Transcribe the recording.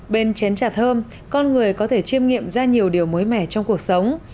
bên chén chặt thơm con người có thể chiêm nghiệm ra nhiều điều mới mẻ trong cuộc sống